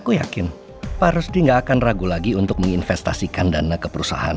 aku yakin pak rusdi nggak akan ragu lagi untuk menginvestasikan dana ke perusahaan